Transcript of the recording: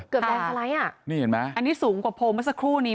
เกือบได้เท่าไรอ่ะนี่เห็นไหมอันนี้สูงกว่าโพลเมื่อสักครู่นี้